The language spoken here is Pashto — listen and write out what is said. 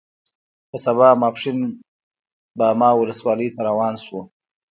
په سبا ماسپښین باما ولسوالۍ ته روان شوو.